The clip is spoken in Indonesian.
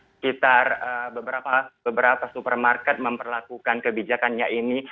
sekitar beberapa supermarket memperlakukan kebijakannya ini